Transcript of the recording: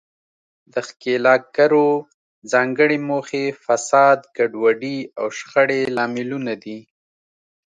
د ښکیلاکګرو ځانګړې موخې، فساد، ګډوډي او شخړې لاملونه دي.